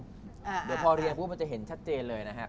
เดี๋ยวพอเรียงปุ๊บมันจะเห็นชัดเจนเลยนะครับ